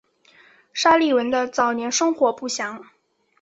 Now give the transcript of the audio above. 沙利文的早年生活不详。